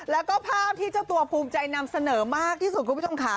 แล้วก็ภาพที่เจ้าตัวภูมิใจนำเสนอมากที่สุดคุณผู้ชมค่ะ